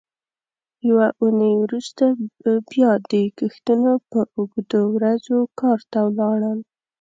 یوه اوونۍ وروسته به بیا د کښتونو په اوږدو ورځو کار ته ولاړل.